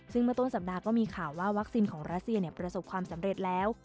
ซึ่งเมื่อต้นสัปดาห์ก็มีข่าวว่าวัคซีนของรัสเซียประสบความสำเร็จแล้ว